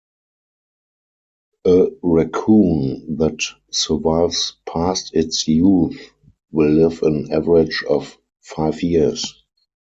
A raccoon that survives past its youth will live an average of five years.